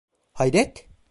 Hayret!